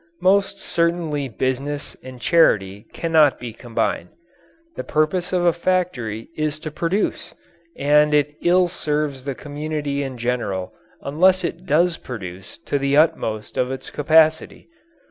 Most certainly business and charity cannot be combined; the purpose of a factory is to produce, and it ill serves the community in general unless it does produce to the utmost of its capacity.